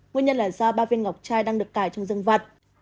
nguyên nhân là do ba viên ngọc trai đang được cài trong dân vật